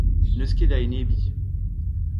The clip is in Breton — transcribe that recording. N'eus ket da enebiñ.